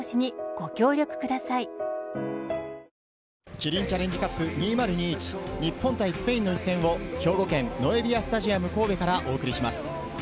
キリンチャレンジカップ２０２１、日本対スペインの一戦を兵庫県ノエビアスタジアム神戸からお送りします。